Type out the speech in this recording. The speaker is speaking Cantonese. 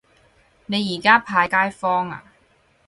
你而家派街坊呀